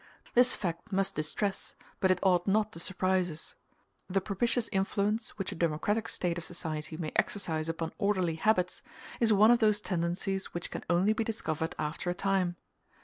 This fact must distress, but it ought not to surprise us. The propitious influence which a democratic state of society may exercise upon orderly habits, is one of those tendencies which can only be discovered after a time.